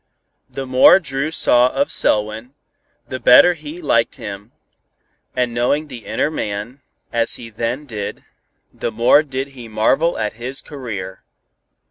The more Dru saw of Selwyn, the better he liked him, and knowing the inner man, as he then did, the more did he marvel at his career.